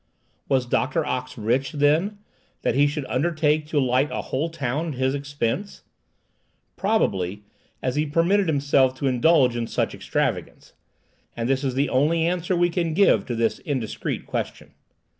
Was Doctor Ox rich, then, that he should undertake to light a whole town at his expense? Probably, as he permitted himself to indulge in such extravagance,—and this is the only answer we can give to this indiscreet question.